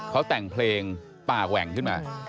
เขาแต่งเพลงป่าแหว่งขึ้นมา